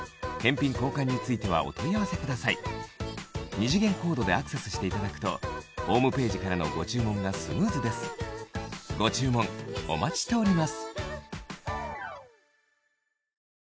二次元コードでアクセスしていただくとホームページからのご注文がスムーズですご注文お待ちしております